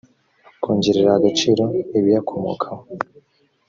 kongerera agaciro ibiyakomokaho